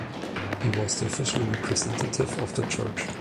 He was the official representative of the church.